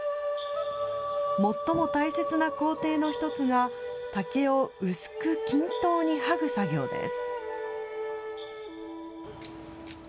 最も大切な工程の１つが、竹を薄く均等に剥ぐ作業です。